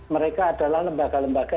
mereka adalah lembaga lembaga